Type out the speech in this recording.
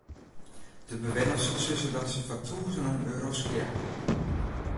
De bewenners sizze dat se foar tûzenen euro's skea hawwe.